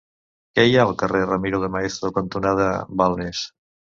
Què hi ha al carrer Ramiro de Maeztu cantonada Balmes?